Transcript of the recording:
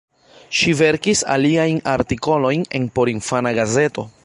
Ŝi verkis aliajn artikolojn en porinfana gazeto.